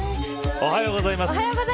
おはようございます。